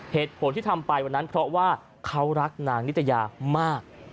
เหตุผลที่ทำไปวันนั้นเพราะว่าเขารักนางนิตยามาก